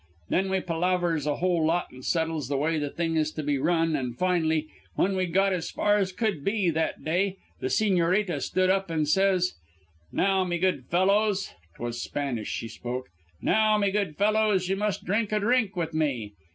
"Then we palavers a whole lot an' settles the way the thing is to be run, an' fin'ly, when we'd got as far as could be that day, the Sigñorita stood up an' says: "'Now me good fellows.' 'Twas Spanish she spoke. 'Now, me good fellows, you must drink a drink with me.'